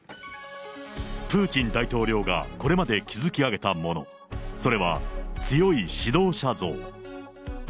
プーチン大統領がえこれまで築き上げたもの、それは強い指導者像。